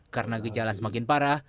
karena gejala semakin parah